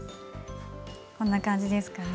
こんな感じですかね。